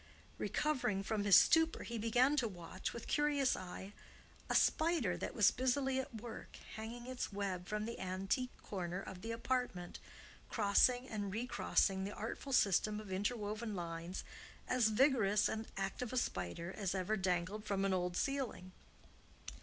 Recovering from his stupor, he began to watch with curious eye a spider that was busily at work hanging its web from the antique cornice of the apartment, crossing and recrossing the artful system of interwoven lines—as vigorous and active a spider as ever dangled from an old ceiling.